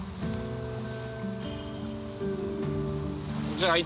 じゃあ１